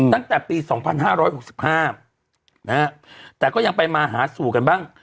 ตั้งแต่ปี๒๕๖๕นะฮะแต่ก็ยังไปมาหาสู่กันบ้าง